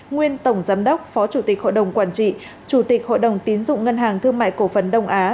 nguyên tổng giám đốc phó chủ tịch hội đồng quản trị chủ tịch hội đồng tiến dụng ngân hàng thương mại cổ phần đông á